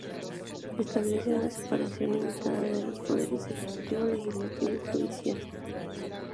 Establece una separación limitada de los poderes ejecutivo, legislativo y judicial.